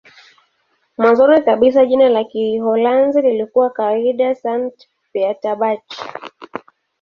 Mwanzoni kabisa jina la Kiholanzi lilikuwa kawaida "Sankt-Pieterburch".